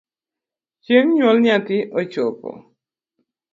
Chieng’ nyuol nyathi ochopo